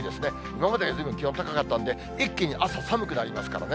今までずいぶん気温高かったんで、一気に朝、寒くなりますからね。